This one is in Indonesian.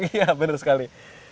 iya bener sekali